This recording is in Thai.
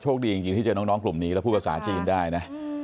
ดีจริงที่เจอน้องกลุ่มนี้แล้วพูดภาษาจีนได้นะ